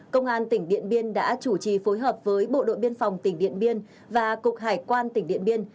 công an tỉnh điện biên đã chủ trì phối hợp với bộ đội biên phòng tỉnh điện biên và cục hải quan tỉnh điện biên